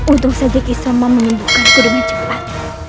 untung saja kisoma menyembuhkanku dengan cepat